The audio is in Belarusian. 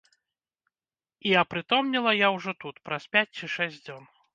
І апрытомнела я ўжо тут, праз пяць ці шэсць дзён.